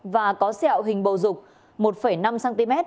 và có xẹo hình bầu rục một năm cm